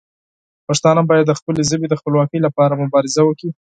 پښتانه باید د خپلې ژبې د خپلواکۍ لپاره مبارزه وکړي.